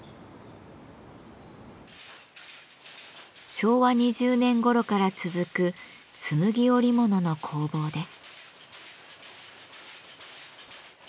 昭和２０年ごろから続くつむぎ織物の工房です。